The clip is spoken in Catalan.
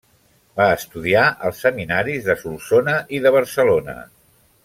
Va estudiar als seminaris de Solsona i de Barcelona.